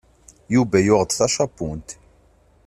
Yuba yuɣ-d tačapunt.